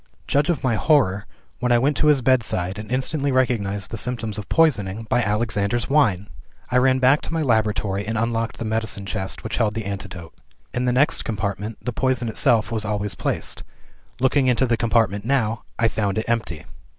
Judge of my horror when I went to his bedside, and instantly recognized the symptoms of poisoning by "Alexander's Wine!" "I ran back to my laboratory, and unlocked the medicine chest which held the antidote. In the next compartment, the poison itself was always placed. Looking into the compartment now, I found it empty.